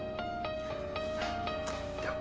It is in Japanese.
では。